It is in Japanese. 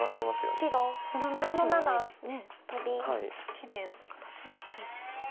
きれいな形ですね。